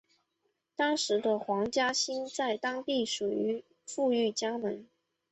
当时的黄兴家在当地属于富裕家门。